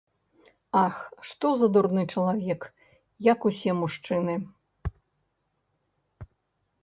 Ах, што за дурны чалавек, як усе мужчыны.